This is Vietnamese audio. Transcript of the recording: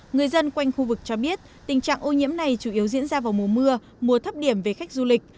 người dân quanh khu vực cho biết tình trạng ô nhiễm này chủ yếu diễn ra vào mùa mưa mùa thấp điểm về khách du lịch